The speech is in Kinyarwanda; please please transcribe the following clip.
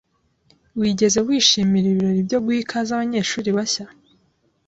Wigeze wishimira ibirori byo guha ikaze abanyeshuri bashya?